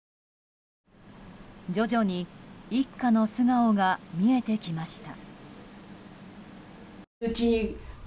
徐々に一家の素顔が見えてきました。